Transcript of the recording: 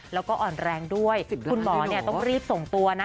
แล้วก็อ่อนแรงด้วยคุณหมอต้องรีบส่งตัวนะ